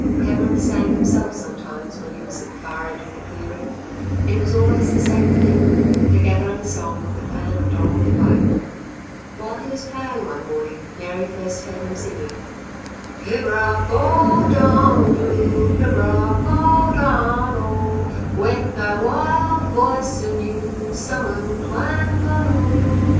Cameron sang himself sometimes when he was at the far end of the clearing. It was always the same thing the gathering song of the Clan of Donald the Black. While he was ploughing one morning, Mary first heard him singing: Pibroch o' Donuil Dhu, Pibroch o' Donuil, Wake thy wild voice anew, Summon Clan Conuil.